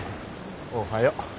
おはよう。